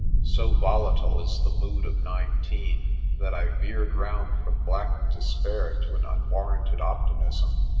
So volatile is the mood of nineteen that I veered round from black despair to an unwarranted optimism.